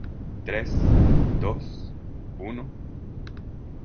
tres, dos , uno...